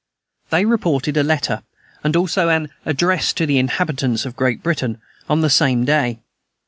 They reported a letter, and also an "Address to the Inhabitants of Great Britain," on the same day.